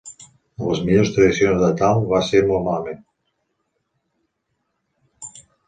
En les millors tradicions de tal, va ser molt malament.